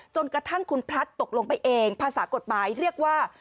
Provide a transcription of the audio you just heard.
จนกระทั่งคุณพลัดตกลงไปเองภาษากฎหมายเรียกว่า